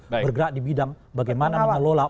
bergerak di bidang bagaimana mengelola